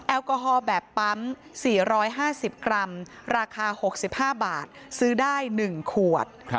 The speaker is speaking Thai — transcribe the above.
แอลกอฮอล์แบบปั๊ม๔๕๐กรัมราคา๖๕บาทซื้อได้๑ขวด